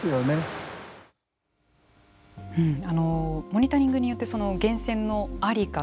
モニタリングによって源泉の在りか